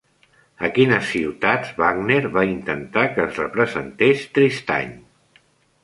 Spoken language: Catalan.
A quines ciutats Wagner va intentar que es representés Tristany?